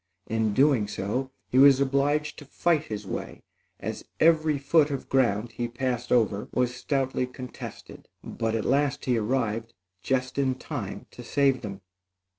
In so doing, he was obliged to fight his way, as every foot of ground he passed over was stoutly contested; but at last he arrived, just in time to save them.